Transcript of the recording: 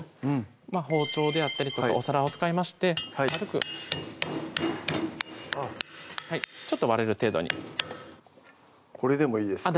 包丁であったりとかお皿を使いまして軽くちょっと割れる程度にこれでもいいですか？